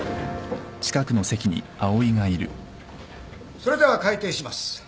それでは開廷します。